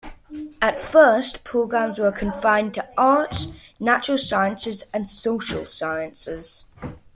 At first, programmes were confined to the Arts, Natural Sciences, and Social Sciences.